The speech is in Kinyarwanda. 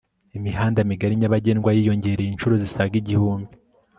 imihanda migari nyabagendwa yiyongereye incuro zisaga igihumbi